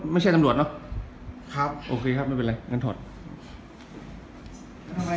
ไม่ใช่ตำรวจเนอะครับโอเคครับไม่เป็นไรงั้นถอด